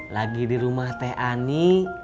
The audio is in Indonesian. lagi di rumah teh ani